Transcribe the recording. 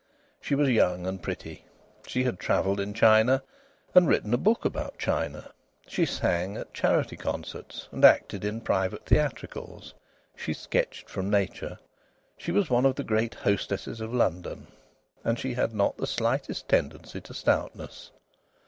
She was young and pretty. She had travelled in China and written a book about China. She sang at charity concerts and acted in private theatricals. She sketched from nature. She was one of the great hostesses of London. And she had not the slightest tendency to stoutness.